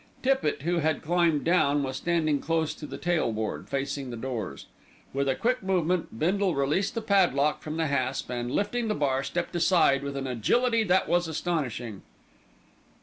Tippitt, who had climbed down, was standing close to the tail board facing the doors. With a quick movement Bindle released the padlock from the hasp and, lifting the bar, stepped aside with an agility that was astonishing.